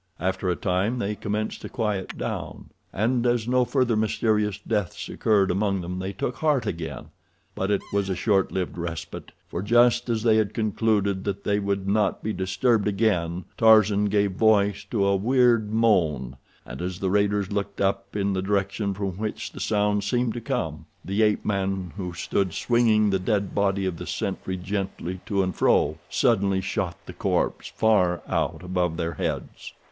After a time they commenced to quiet down, and as no further mysterious deaths occurred among them they took heart again. But it was a short lived respite, for just as they had concluded that they would not be disturbed again Tarzan gave voice to a weird moan, and as the raiders looked up in the direction from which the sound seemed to come, the ape man, who stood swinging the dead body of the sentry gently to and fro, suddenly shot the corpse far out above their heads.